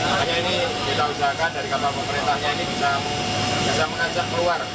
makanya ini kita usahakan dari kapal pemerintahnya ini bisa mengajak keluar